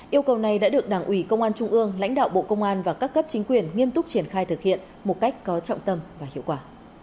yêu cầu này đã được đảng ủy công an trung ương lãnh đạo bộ công an và các cấp chính quyền nghiêm túc triển khai thực hiện một cách có trọng tâm và hiệu quả